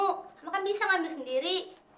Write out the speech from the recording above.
kamu kan bisa ngambil sendiri